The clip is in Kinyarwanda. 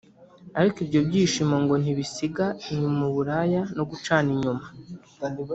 Ariko ibyo byishimo ngo ntibisiga inyuma uburaya no gucana inyuma